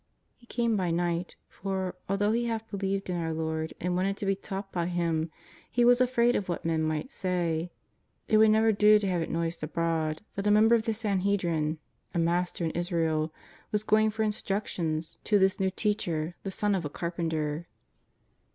He came by niglit, for, although he half believed in our Lord and wanted to bo taught by Him, he was afraid of what men might say. It would never do to have it noised abroad that a member of the Sanhedrin, " a master in Israel,"was going for instructions to this JESUS OF NAZARETH. 151 new Teacher, the Son of a carpenter.